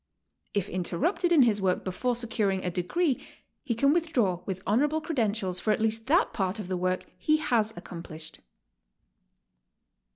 If inter rupted in his work before securing a degree, he can with draw with honorable credentials for at least that part of the work he has accomplished.